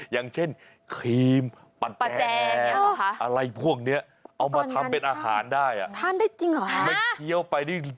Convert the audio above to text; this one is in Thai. อย่างเช่นครีมปะแจอะไรพวกเนี้ยเอามาทำเป็นอาหารได้ทานได้จริงเหรอไม่เคี้ยวไปนี่